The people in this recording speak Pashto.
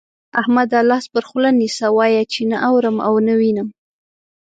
احمده! لاس پر خوله نيسه، وايه چې نه اورم او نه وينم.